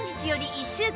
１週間